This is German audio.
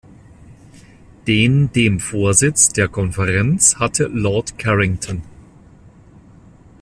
Den dem Vorsitz der Konferenz hatte Lord Carrington.